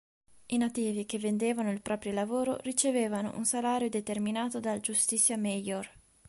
I nativi che vendevano il proprio lavoro ricevevano un salario determinato dal justicia mayor.